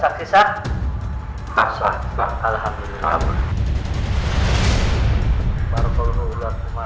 ini gak mungkin